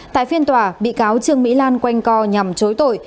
tại phiên tòa bị cáo trương mỹ lan quanh co nhằm chối tội